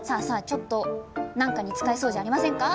ちょっと何かに使えそうじゃありませんか？